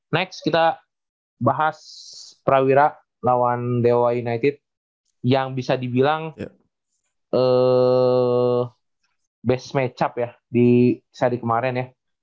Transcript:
next kita bahas prawira lawan dow united yang bisa dibilang best matchup ya di seri kemarin ya